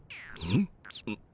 うん？